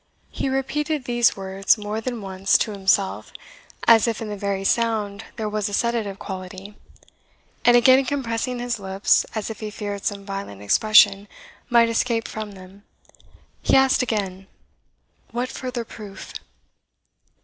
He repeated these words more than once to himself, as if in the very sound there was a sedative quality; and again compressing his lips, as if he feared some violent expression might escape from them, he asked again, "What further proof?"